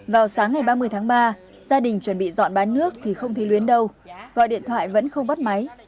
vào sáng ngày ba mươi tháng ba gia đình chuẩn bị dọn bán nước thì không thấy luyến đâu gọi điện thoại vẫn không bắt máy